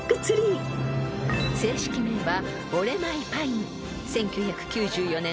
［正式名は］